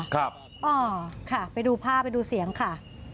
ครับอ๋อค่ะไปดูภาพไปดูเสียงค่ะ